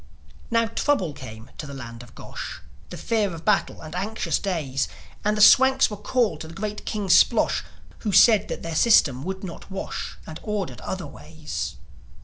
Now, trouble came to the land of Gosh: The fear of battle, and anxious days; And the Swanks were called to the great King Splosh, Who said that their system would not wash, And ordered other ways.